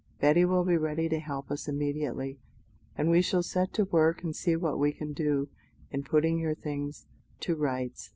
Betty will be ready to help us immediately, and we shall set to work and see what we can do in putting your things to rights.